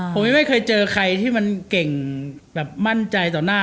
ผมยังไม่เคยเจอใครที่มันเก่งแบบมั่นใจต่อหน้า